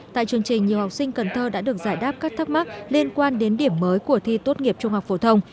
tại chương trình nhiều học sinh cần thơ đã được giải đáp các thắc mắc liên quan đến điểm mới của thi tốt nghiệp trung học phổ thông